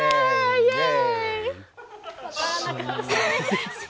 イエーイ！